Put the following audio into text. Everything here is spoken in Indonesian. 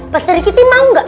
pak sri kiti mau enggak